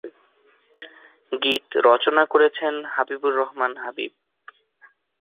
গীত রচনা করেছেন হাবিবুর রহমান হাবিব।